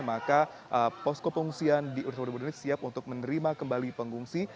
maka posko pengungsian di universitas borobudur siap untuk menerima kembali pengungsi